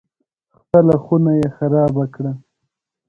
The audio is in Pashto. خپله خونه یې خرابه کړه.